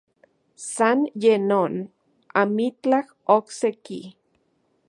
San ye non, amitlaj okse-ki.